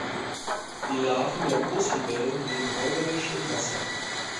Die Larven der Großlibellen leben räuberisch im Wasser.